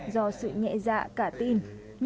do sự nhẹ dạ cả tin